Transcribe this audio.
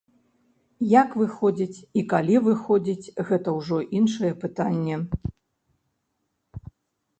Як выходзіць і калі выходзіць гэта ўжо іншае пытанне.